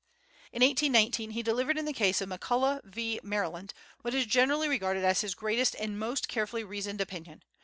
In 1819, he delivered in the case of McCulloch v. Maryland what is generally regarded as his greatest and most carefully reasoned opinion.